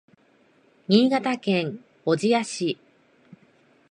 新潟県小千谷市